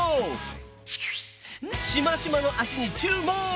しましまの脚に注目！